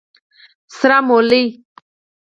🫜 سره مولي